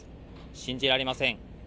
信じられません。